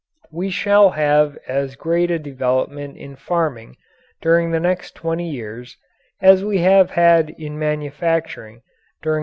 We shall have as great a development in farming during the next twenty years as we have had in manufacturing during the last twenty.